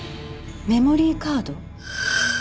メモリーカード？